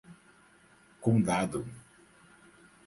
Condado